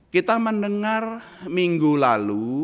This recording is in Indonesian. kita mendengar minggu lalu